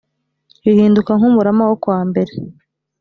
bihinduka nk umurama wo kuwambere